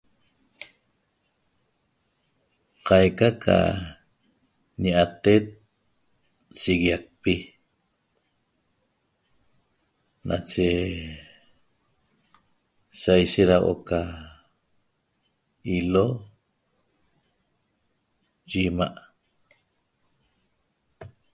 Qaica ca ñatet shiguiacpi nache saishet da huo'o ca ilo ye ima'